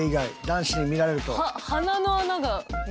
男子に見られると。